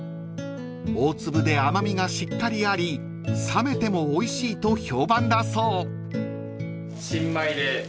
［大粒で甘味がしっかりあり冷めてもおいしいと評判だそう］